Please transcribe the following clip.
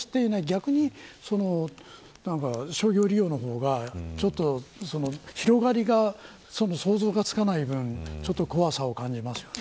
逆に商業利用の方が広がりが想像がつかないぶん怖さを感じますよね。